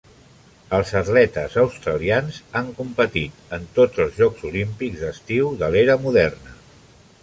Els atletes australians han competit en tots els Jocs Olímpics d'estiu de l'era moderna.